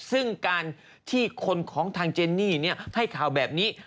ซึ่งการที่คนของทางเจนนี่ให้ข่าวแบบนี้